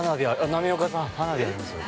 波岡さん、花火ありますよ。